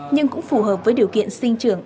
nhưng cũng phù hợp với điều kiện sinh trưởng